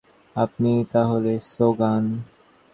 আপনিই তাহলে সোগান?